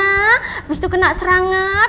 habis itu kena serangap